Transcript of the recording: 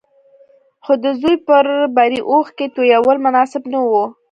خو د زوی پر بري اوښکې تويول مناسب نه وو.